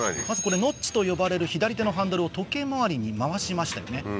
まずこれノッチと呼ばれる左手のハンドルを時計回りに回しましたよね。